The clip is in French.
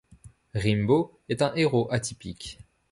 Rimbo est un héros atypique.